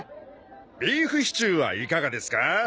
ビーフシチューはいかがですか？